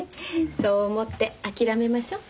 そう思って諦めましょう。